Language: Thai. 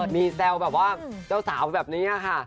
มีแซวแบบว่าเจ้าสาวแบบนี้ค่ะ